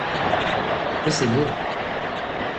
Que c'est beau !